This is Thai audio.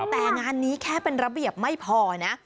แต่งานนี้แค่เป็นระเบียบไม่พอนะ